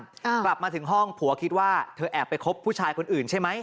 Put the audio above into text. กลับมาถึงห้องผัวคิดว่าเธอแอบไปคบผู้ชายคนอื่นใช่ไหม